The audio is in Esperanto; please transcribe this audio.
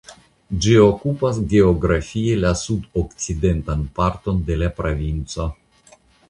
Ĝi okupas geografie la sudokcidentan parton de la provinco.